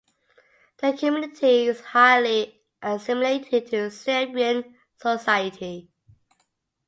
The community is highly assimilated into Serbian society.